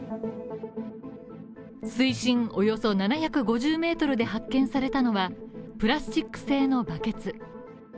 水深およそ７５０ｍで発見されたのは、プラスチック製のバケツ